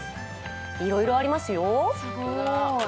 いろいろありますよ。